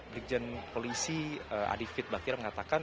direktur indah pidana sajibir baris jempori mengatakan